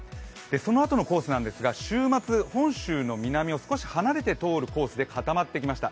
そのあとのコースなんですが、週末、本州の南を少し離れて通るコースでかたまってきました。